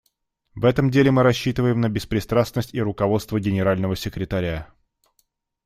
В этом мы деле мы рассчитываем на беспристрастность и руководство Генерального секретаря.